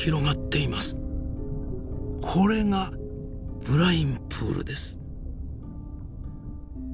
これがブラインプールです。